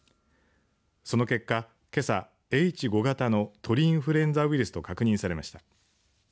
その結果、けさＨ５型の鳥インフルエンザウイルスと確認されました。